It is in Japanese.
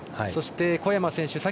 そして小山選手